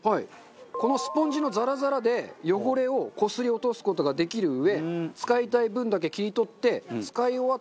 このスポンジのザラザラで汚れをこすり落とす事ができるうえ使いたい分だけ切り取って使い終わったら捨てればよし。